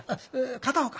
片岡